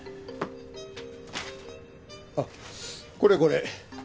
あっこれこれ。